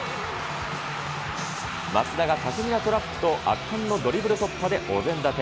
松田が巧みなトラップと圧巻のドリブル突破でおぜん立て。